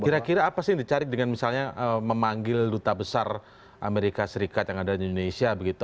kira kira apa sih yang dicari dengan misalnya memanggil duta besar amerika serikat yang ada di indonesia begitu